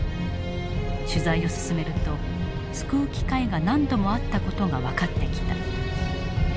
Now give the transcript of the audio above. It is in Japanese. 取材を進めると救う機会が何度もあった事が分かってきた。